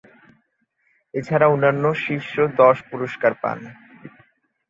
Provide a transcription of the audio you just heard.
এছাড়া অনন্যা শীর্ষ দশ পুরস্কার পান।